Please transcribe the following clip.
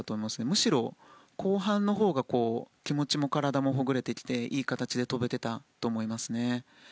むしろ、後半のほうが気持ちも体もほぐれてきていい形で跳べていたと思いますね。